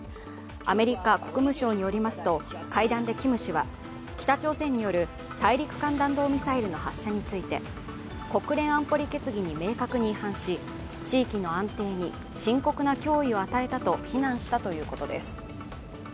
アメリカ国務省によりますと、会談でキム氏は、北朝鮮による大陸間弾道ミサイルの発射について国連安保理決議に明確に違反し地域の安定に深刻な脅威を与えたと非難したということです。